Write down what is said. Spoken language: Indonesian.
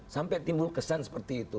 sampai timbul kesan seperti itu